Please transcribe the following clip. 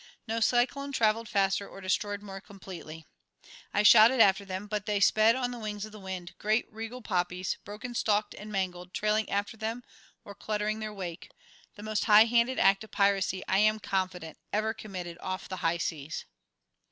No cyclone travelled faster or destroyed more completely. I shouted after them, but they sped on the wings of the wind, great regal poppies, broken stalked and mangled, trailing after them or cluttering their wake the most high handed act of piracy, I am confident, ever committed off the high seas.